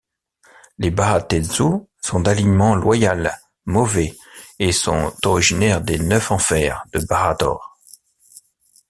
Les baatezu sont d'alignement loyal mauvais et sont originaires des Neuf Enfers de Baator.